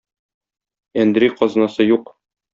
Әндри казнасы юк.